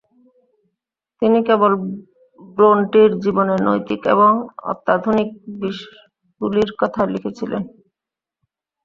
তিনি কেবল ব্রোন্টির জীবনের নৈতিক এবং অত্যাধুনিক বিষগুলির কথা লিখেছিলেন।